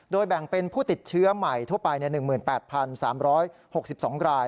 แบ่งเป็นผู้ติดเชื้อใหม่ทั่วไป๑๘๓๖๒ราย